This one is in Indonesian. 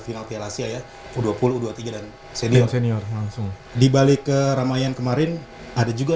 final tiala asia ya u dua puluh dua puluh tiga dan senior senior langsung dibalik ke ramai yang kemarin ada juga